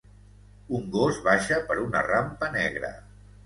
Un gos baixa per una rampa negra.